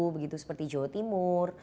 begitu seperti jawa timur